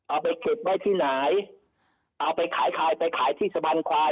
เอาไปเก็บไว้ที่ไหนเอาไปขายควายไปขายที่สะบันควาย